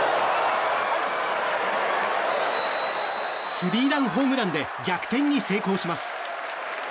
スリーランホームランで逆転に成功します。